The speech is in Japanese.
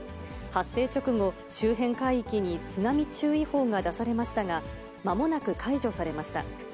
発生直後、周辺海域に津波注意報が出されましたが、まもなく解除されました。